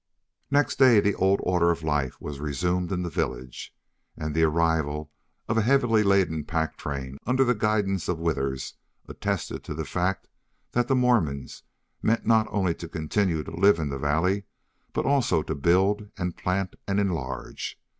Next day the old order of life was resumed in the village. And the arrival of a heavily laden pack train, under the guidance of Withers, attested to the fact that the Mormons meant not only to continue to live in the valley, but also to build and plant and enlarge.